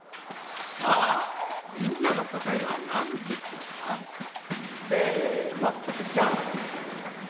さあみんなの答えは何匹だ？せのじゃん！